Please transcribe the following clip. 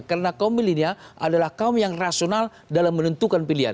karena kaum milenia adalah kaum yang rasional dalam menentukan